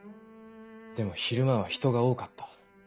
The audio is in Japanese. でも昼間は人が多かった。